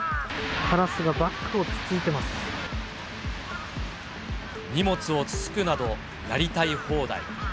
カラスがバッグをつついてい荷物をつつくなど、やりたい放題。